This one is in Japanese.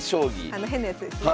あの変なやつですね。